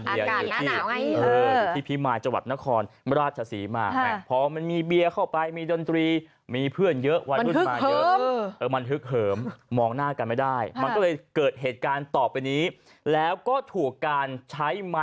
เห็นในมือเจ้าหน้าที่ไหมคะแข็งไหมเห็นในมือเจ้าหน้าที่ไหมคะแท่งยาวเบอร์เริ่ม